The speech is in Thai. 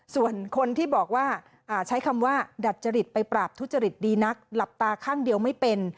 ส่วนคนที่บอกว่าใช้คำว่าดัดจริตไปปราบทุจริตดีนักหลับตาข้างเดียวไม่เป็น